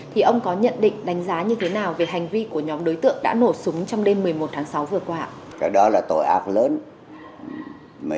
thì ông có nhận định đánh giá như thế nào về hành vi của nhóm đối tượng đã nổ súng trong đêm một mươi một tháng sáu vừa qua